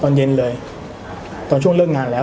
ตอนเย็นเลยตอนช่วงเลิกงานแล้ว